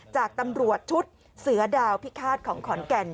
จากตำรวจชุดเสือดาวพิฆาตของขอนแก่น